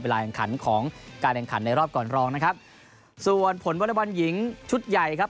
แข่งขันของการแข่งขันในรอบก่อนรองนะครับส่วนผลวอเล็กบอลหญิงชุดใหญ่ครับ